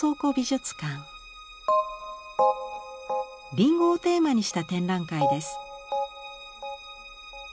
「りんご」をテーマにした展覧会です。